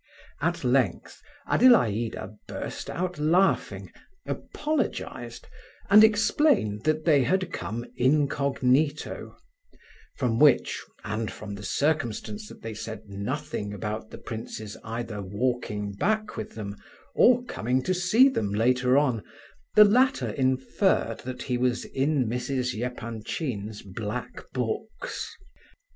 At length Adelaida burst out laughing, apologized, and explained that they had come incognito; from which, and from the circumstance that they said nothing about the prince's either walking back with them or coming to see them later on, the latter inferred that he was in Mrs. Epanchin's black books.